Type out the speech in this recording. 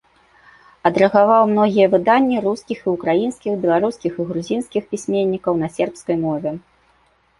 Адрэдагаваў многія выданні рускіх і ўкраінскіх, беларускіх і грузінскіх пісьменнікаў на сербскай мове.